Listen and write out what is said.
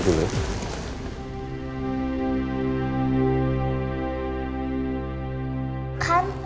tapi saya ntar mau masuk dulu